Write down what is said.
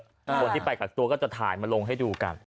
คนที่ไปกักตัวก็จะถ่ายมาลงให้ดูกัน